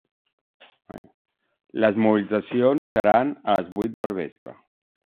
Les mobilitzacions seran a les vuit del vespre.